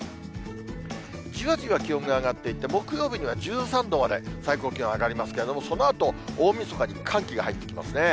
じわじわ気温が上がっていって、木曜日には１３度まで最高気温上がりますけれども、そのあと、大みそかに寒気が入ってきますね。